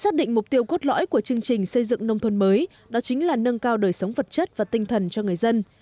xác định mục tiêu cốt lõi của chương trình xây dựng nông thôn mới đó chính là nâng cao đời sống vật chất và tinh thần cho người dân